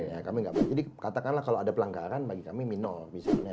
jadi katakanlah kalau ada pelanggaran bagi kami minor